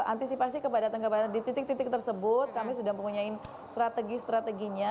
untuk antisipasi kepadatan kepadatan kepadatan di titik titik tersebut kami sudah mempunyai strategi strateginya